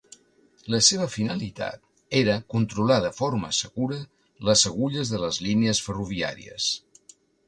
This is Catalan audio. La seva finalitat era controlar de forma segura les agulles de les línies ferroviàries.